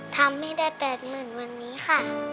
ทำให้ได้๘๐๐๐วันนี้ค่ะ